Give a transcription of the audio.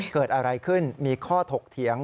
เกิดอะไรขึ้นมีข้อถกเถียง